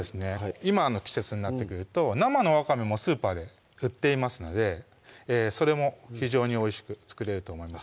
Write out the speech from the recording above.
今の季節になってくると生のわかめもスーパーで売っていますのでそれも非常においしく作れると思います